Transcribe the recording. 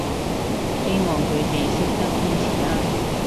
希望佢哋識得堅持啦